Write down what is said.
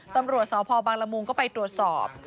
ตำรวจสพบังละมุงก็ไปตรวจสอบ